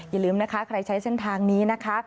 อย่าลืมนะคะใครใช้เส้นทางนี้นะคะ